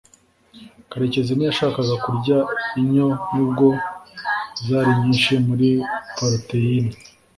karekezi ntiyashakaga kurya inyo nubwo zari nyinshi muri poroteyine